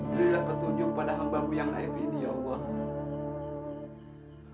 terilah petunjuk pada hamba mu yang naif ini ya allah